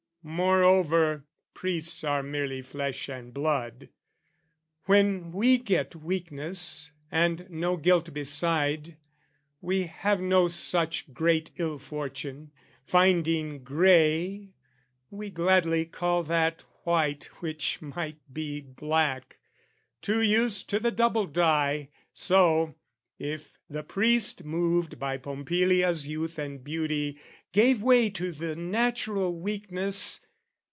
Moreover priests are merely flesh and blood; When we get weakness, and no guilt beside, We have no such great ill fortune: finding grey, We gladly call that white which might be black, Too used to the double dye. So, if the priest, Moved by Pompilia's youth and beauty, gave Way to the natural weakness....